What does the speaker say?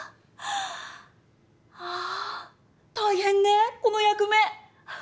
あ大変ねこの役目。